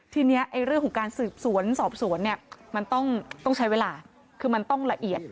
ทีนี้เรื่องของการสืบสวนสอบสวนเนี่ยมันต้องใช้เวลาคือมันต้องละเอียด